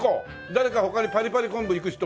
誰か他にパリパリ昆布いく人？